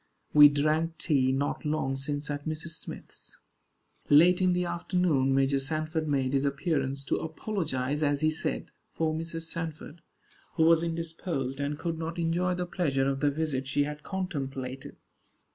We drank tea not long since at Mr. Smith's. Late in the afternoon Major Sanford made his appearance, to apologize, as he said, for Mrs. Sanford, who was indisposed, and could not enjoy the pleasure of the visit she had contemplated.